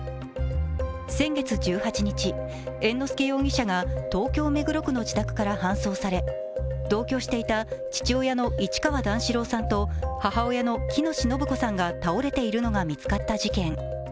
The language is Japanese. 先月１８日、猿之助容疑者が東京・目黒区の自宅から搬送され、同居していた父親の市川段四郎さんと母親の喜熨斗延子さんが倒れているのが見つかった事件。